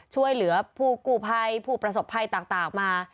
ช่วยเหลือผู้กู้ภัยผู้ประสบภัยต่างมา